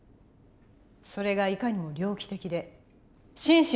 それがいかにも猟奇的で心神